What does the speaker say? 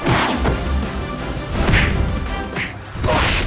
pada minggu yang public